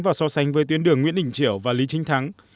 và so sánh với tuyến đường nguyễn đình triểu và lý trinh thắng